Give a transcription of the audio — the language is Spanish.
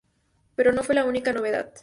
Pero no fue la única novedad.